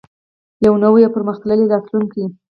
یو نوی او پرمختللی راتلونکی.